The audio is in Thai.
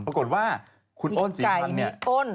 ปรากฏว่าคุณอ้อนสี่พันเนี่ย